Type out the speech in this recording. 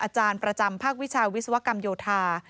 อาจารย์ประจำภาควิชาวิศวกรรมโยธา